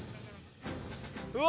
うわ！